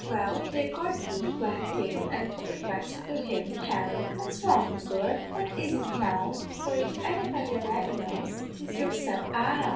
"Well, they accordianly went in an' put the question to him: "'Harry, what's wrong, ahagur? What is it now, for if anybody alive knows, 'tis yourself?' "'Ah!'